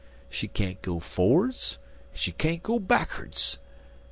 She can't go forerds, en she can't go backerds.